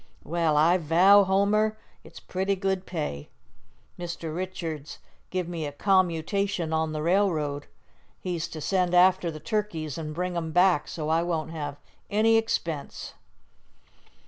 "Well, I vow, Homer, it's pretty good pay." "Mr. Richards give me a commutation on the railroad. He's to send after the turkeys an' bring 'em back, so I won't have any expense."